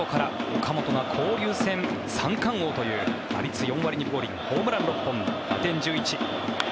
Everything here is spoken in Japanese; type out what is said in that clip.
岡本が交流戦三冠王という打率４割２分５厘ホームラン６本、打点１１。